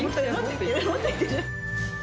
もっといってる。